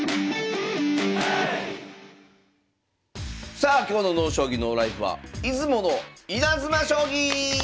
さあ今日の「ＮＯ将棋ＮＯＬＩＦＥ」は「出雲のイナズマ将棋」！